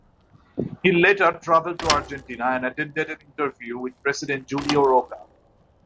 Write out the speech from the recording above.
He later traveled to Argentina and attended an interview with President Julio Roca.